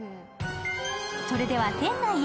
それでは店内へ。